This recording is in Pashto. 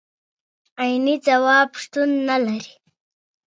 عيني ځواب شتون نه لري.